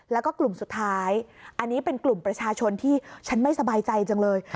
แล้วก็กลุ่มสุดท้ายอันนี้เป็นกลุ่มประชาชนที่ฉันไม่สบายใจจังเลย